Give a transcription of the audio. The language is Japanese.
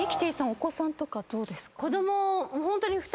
お子さんとかどうですか？